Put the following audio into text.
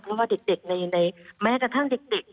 เพราะว่าเด็กในแม้กระทั่งเด็ก